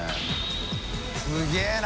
すげぇな！